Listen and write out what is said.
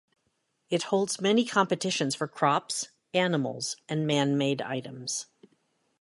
It holds many competitions for crops, animals, and man made items.